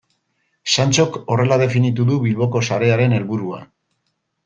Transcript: Santxok horrela definitu du Bilboko sarearen helburua.